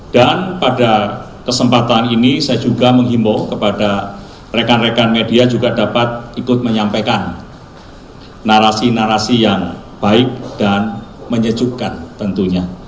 dan pada kesempatan ini saya juga menghimbau kepada rekan rekan media juga dapat ikut menyampaikan narasi narasi yang baik dan menyejukkan tentunya